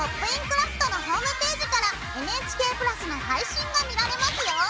クラフト」のホームページからＮＨＫプラスの配信が見られますよ。